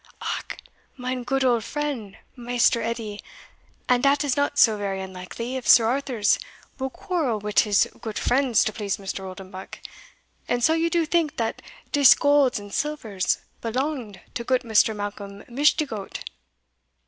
"Ach! mine goot old friend, Maister Edie, and dat is not so very unlikely, if Sir Arthurs will quarrel wit his goot friends to please Mr. Oldenbuck. And so you do tink dat dis golds and silvers belonged to goot Mr. Malcolm Mishdigoat?"